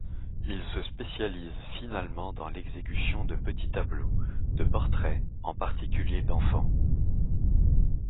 Il se spécialise finalement dans l'exécution de petits tableaux, des portraits, en particulier d'enfants.